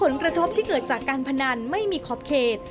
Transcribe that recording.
ผลกระทบที่เกิดจากการพนันไม่มีขอบเขต